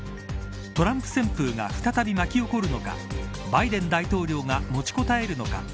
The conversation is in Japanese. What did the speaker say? トランプ旋風が再び巻き起こるのかバイデン大統領が持ちこたえるのか。